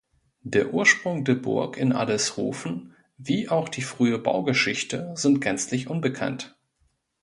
Der Ursprung der Burg in Adelshofen wie auch die frühe Baugeschichte sind gänzlich unbekannt.